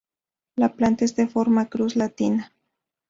La planta es de forma cruz latina.